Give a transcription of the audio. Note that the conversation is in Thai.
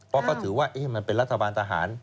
เพราะเขาถือว่ามันเป็นรัฐบาลทหาร